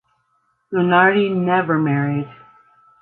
Lunardi never married.